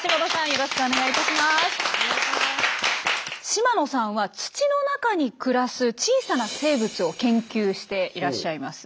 島野さんは土の中に暮らす小さな生物を研究していらっしゃいます。